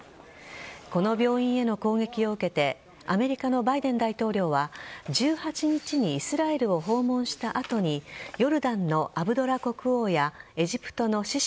この病院への攻撃を受けてアメリカのバイデン大統領は１８日にイスラエルを訪問した後にヨルダンのアブドラ国王やエジプトのシシ